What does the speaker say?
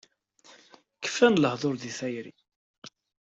Kfan lehduṛ di tayri.